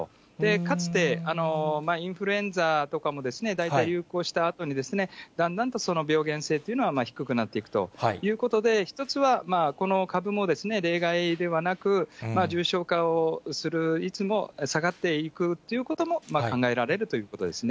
かつてインフルエンザとかも、大体流行したあとに、だんだんとその病原性というのは低くなっていくということで、１つはこの株も例外ではなく、重症化をする率も下がっていくということも考えられるということですね。